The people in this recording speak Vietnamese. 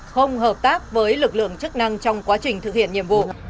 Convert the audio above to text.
không hợp tác với lực lượng chức năng trong quá trình thực hiện nhiệm vụ